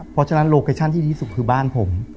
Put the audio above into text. เพราะฉะนั้นโลเคชั่นที่ดีสุดคือบ้านผม